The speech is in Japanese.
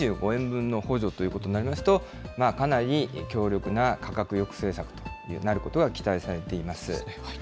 ２５円分の補助ということになりますと、かなり強力な価格抑制策になることが期待されています。